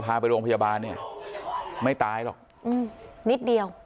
พาไปโรงพยาบาลเนี่ยไม่ตายหรอกอืมนิดเดียว